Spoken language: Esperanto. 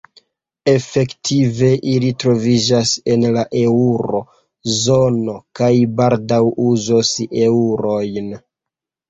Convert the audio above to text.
Efektive ili troviĝas en la eŭro-zono kaj baldaŭ uzos eŭrojn.